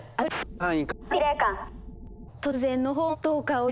はい！